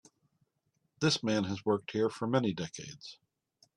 This man has worked here for many decades.